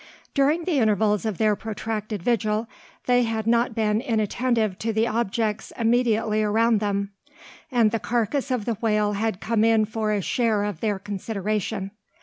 During the intervals of their protracted vigil, they had not been inattentive to the objects immediately around them: and the carcass of the whale had come in for a share of their consideration.